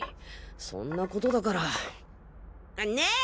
そんなことだから。ねぇ！